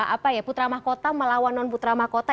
apa ya putra mahkota melawan non putra mahkota